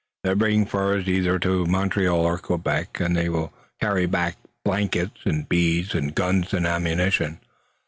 They bring furs either to Montreal or Quebec, and they will carry back blankets and beads and guns and ammunition.